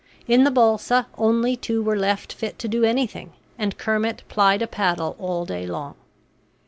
In the balsa only two were left fit to do anything, and Kermit plied a paddle all day long.